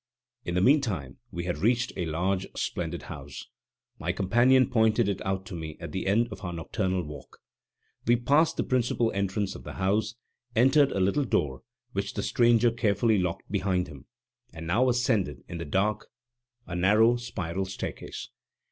In the meantime we had reached a large, splendid house. My companion pointed it out to me as the end of our nocturnal walk. We passed the principal entrance of the house, entered a little door, which the stranger carefully locked behind him, and now ascended in the dark a narrow spiral staircase.